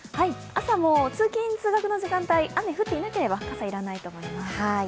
朝、通勤・通学の時間帯、雨が抜けていれば傘は要らないと思います。